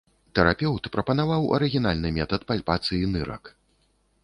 Тэрапеўт прапанаваў арыгінальны метад пальпацыі нырак.